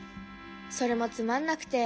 それもつまんなくて。